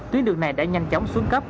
tuyến đường này đã nhanh chóng xuống cấp